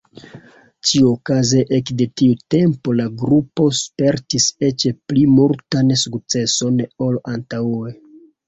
Ĉiukaze ekde tiu tempo la grupo spertis eĉ pli multan sukceson ol antaŭe.